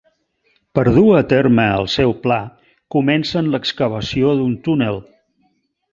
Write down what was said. Per dur a terme el seu pla comencen l'excavació d'un túnel.